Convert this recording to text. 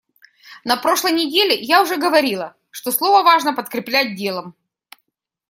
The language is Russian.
На прошлой неделе я уже говорила, что слово важно подкреплять делом.